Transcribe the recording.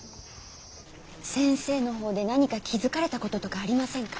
先生の方で何か気付かれたこととかありませんか？